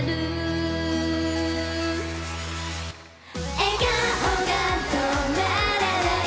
「笑顔が止まらない！